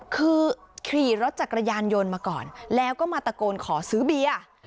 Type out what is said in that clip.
คือขี่รถจักรยานยนต์มาก่อนแล้วก็มาตะโกนขอซื้อเบียร์